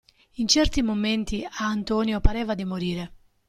In certi momenti a Antonio pareva di morire.